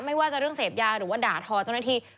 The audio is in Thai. ไม่ว่าจะเรื่องเสพยาหรือว่าด่าทอเจ้าหน้าที่